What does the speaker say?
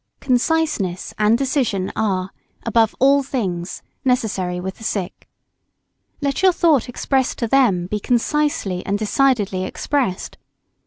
] Conciseness and decision are, above all things, necessary with the sick. Let your thought expressed to them be concisely and decidedly expressed.